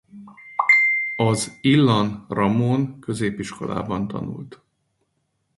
Az Ilan Ramon Középiskolában tanult.